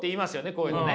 こういうのね。